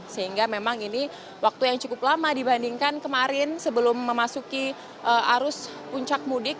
sehingga memang ini waktu yang cukup lama dibandingkan kemarin sebelum memasuki arus puncak mudik